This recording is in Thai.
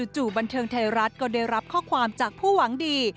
บันเทิงไทยรัฐก็ได้รับข้อความจากผู้หวังดี